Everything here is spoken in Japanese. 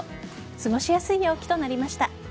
過ごしやすい陽気となりました。